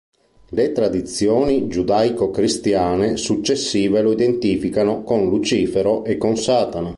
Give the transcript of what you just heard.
Le tradizioni giudaico-cristiane successive lo identificano con Lucifero e con Satana.